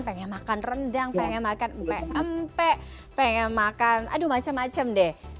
pengen makan rendang pengen makan empe empe pengen makan aduh macem macem deh